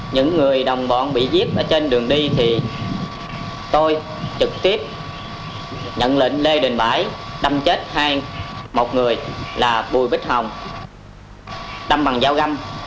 những người đồng bọn bị giết ở trên đường đi thì tôi trực tiếp nhận lệnh lê đình bãi đâm chết hai một người là bùi bích hồng đâm bằng dao găm